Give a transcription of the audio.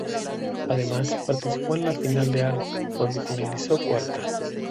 Además, participó en la final de aro, donde finalizó cuarta.